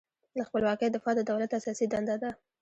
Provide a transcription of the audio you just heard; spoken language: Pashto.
له خپلواکۍ دفاع د دولت اساسي دنده ده.